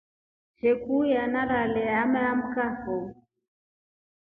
Shokuya nalele ameamkafo.